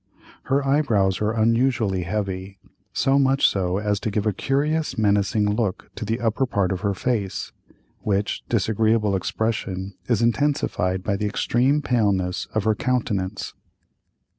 Her eyebrows are unusually heavy, so much so as to give a curious menacing look to the upper part of her face, which disagreeable expression is intensified by the extreme paleness of her countenance.